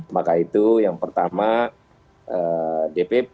maka itu yang pertama dpp